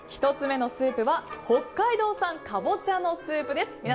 １つ目のスープは北海道産かぼちゃのスープです。